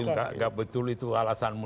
nggak betul itu alasanmu